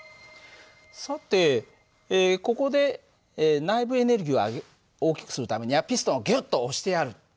さてここで内部エネルギーを大きくするためにはピストンをギュッと押してやる。